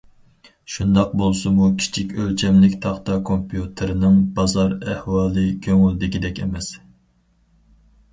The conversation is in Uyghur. شۇنداق بولسىمۇ كىچىك ئۆلچەملىك تاختا كومپيۇتېرىنىڭ بازار ئەھۋالى كۆڭۈلدىكىدەك ئەمەس.